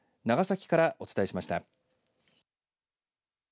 長崎からお伝えしました。